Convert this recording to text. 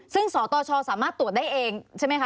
ซึ่งสตชสามารถตรวจได้เองใช่ไหมคะ